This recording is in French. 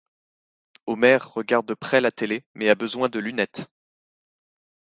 Homer regarde de près la télé mais a besoin de lunettes.